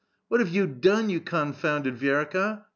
"What have you done, you confounded Vi^rka.